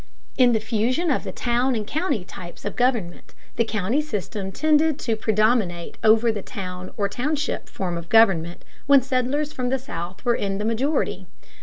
In the fusion of the town and county types of government the county system tended to predominate over the town or township form of government when settlers from the South were in the majority.